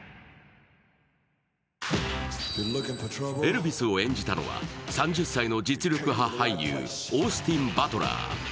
エルヴィスを演じたのは３０歳の実力派俳優、オースティン・バトラー。